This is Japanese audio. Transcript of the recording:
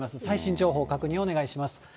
最新情報、確認をお願いします。